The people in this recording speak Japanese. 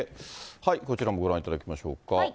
こちらもご覧いただきましょうか。